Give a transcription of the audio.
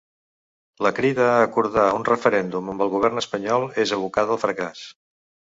La crida a acordar un referèndum amb el govern espanyol és abocada al fracàs.